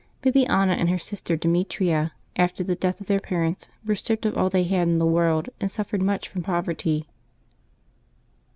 Bibiana and her sister De metria, after the death of their parents, were stripped of all they had in the world and suffered much from poverty.